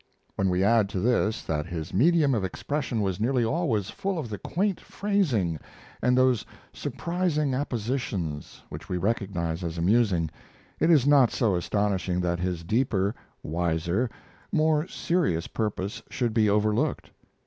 When we add to this that his medium of expression was nearly always full of the quaint phrasing and those surprising appositions which we recognize as amusing, it is not so astonishing that his deeper, wiser, more serious purpose should be overlooked.